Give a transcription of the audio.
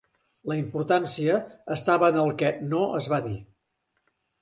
La importància estava en el que "no" es va dir.